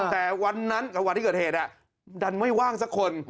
แต่วันนั้นกับวันที่เกิดเหตุดันไม่ว่างสักคน